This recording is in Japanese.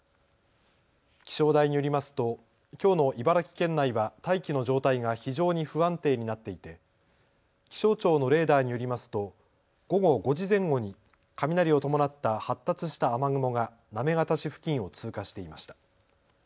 気象台によりますときょうの茨城県内は大気の状態が非常に不安定になっていて気象庁のレーダーによりますと午後５時前後に雷を伴った発達した雨雲が行方市付近を通過していました。